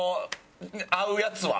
合うやつは。